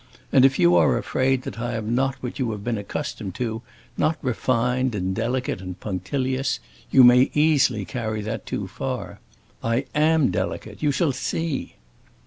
And if you are afraid that I am not what you have been accustomed to, not refined and delicate and punctilious, you may easily carry that too far. I am delicate! You shall see!"